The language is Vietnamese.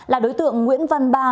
là đối tượng nguyễn văn ba